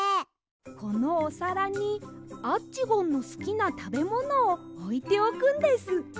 このおさらにアッチゴンのすきなたべものをおいておくんです。